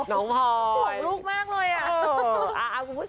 พ่อเขาบอกห่วงลูกมากเลยอะ